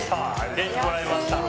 元気もらいました。